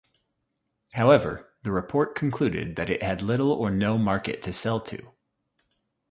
However, the report concluded that it had little or no market to sell to.